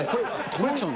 コ、コ、コレクション！